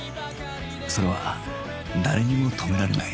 それは誰にも止められない